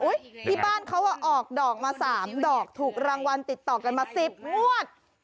ที่บ้านเขาออกดอกมา๓ดอกถูกรางวัลติดต่อกันมา๑๐งวด